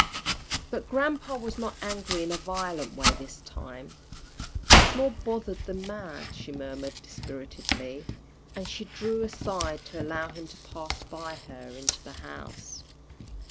But grampa was not angry in a violent way this time. "He's more bothered than mad," she murmured, dispiritedly, and she drew aside to allow him to pass by her into the house.